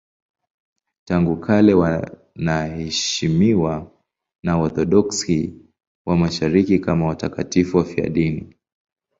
Tangu kale wanaheshimiwa na Waorthodoksi wa Mashariki kama watakatifu wafiadini.